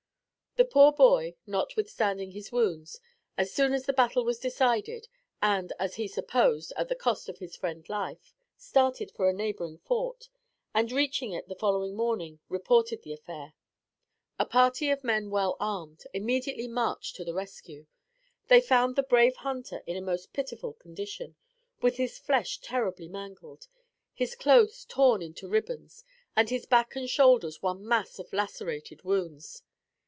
The poor boy, notwithstanding his wounds, as soon as the battle was decided; and, as he supposed, at the cost of his friend's life, started for a neighboring fort, and, reaching it the following morning, reported the affair. A party of men well armed immediately marched to the rescue. They found the brave hunter in a most pitiful condition, with his flesh terribly mangled, his clothes torn into ribbons, and his back and shoulders one mass of lacerated wounds.